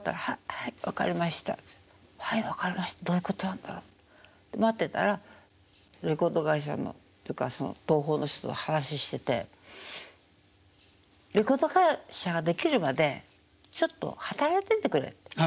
「はい分かりましたってどういうことなんだろう？」って待ってたらレコード会社の東宝の人と話してて「レコード会社が出来るまでちょっと働いててくれ」って。